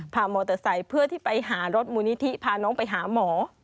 พามอเตอร์ไซค์เพื่อที่ไปหารถมูลนิธิพาน้องไปหาหมอ